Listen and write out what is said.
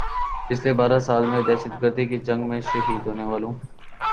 پچھلے بارہ سال میں دہشت گردی کی جنگ میں شہید ہونے والوں